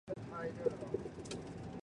真假桑黄不易分辨。